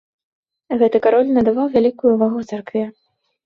Гэты кароль надаваў вялікую ўвагу царкве.